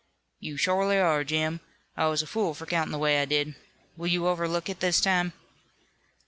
"You shorely are, Jim. I was a fool for countin' the way I did. Will you overlook it this time?"